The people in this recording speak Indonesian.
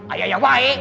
ayah yang baik